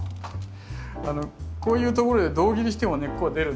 こういうところで胴切りしても根っこは出るんですよ。